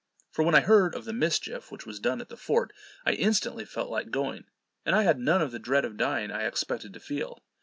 For when I heard of the mischief which was done at the fort, I instantly felt like going, and I had none of the dread of dying that I expected to feel.